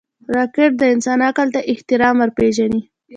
راکټ د انسان عقل ته احترام ورپېژني